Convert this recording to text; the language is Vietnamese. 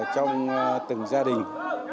trong từng gia đình